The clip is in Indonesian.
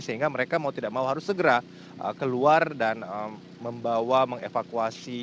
sehingga mereka mau tidak mau harus segera keluar dan membawa mengevakuasi